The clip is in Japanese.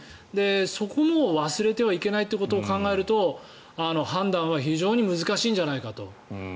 そこも忘れてはいけないということを考えると判断は非常に難しいんじゃないかと。